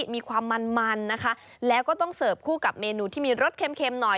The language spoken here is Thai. มีความมันมันนะคะแล้วก็ต้องเสิร์ฟคู่กับเมนูที่มีรสเค็มหน่อย